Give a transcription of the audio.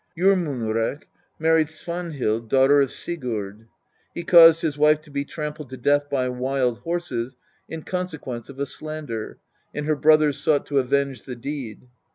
Jormunrek married Svanhild, daughter of Sigurd; he caused his wife to be trampled to death by wild horses in consequence of a slander, and her brothers sought to avenge the deed.